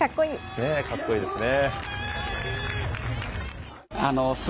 かっこいいですね。